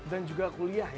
dan juga kuliah ya